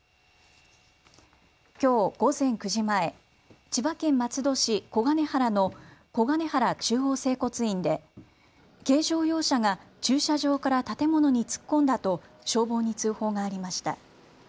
きょう午前９時前、千葉県松戸市小金原の小金原中央整骨院で軽乗用車が駐車場から建物に突っ込んだと消防に通報がありました。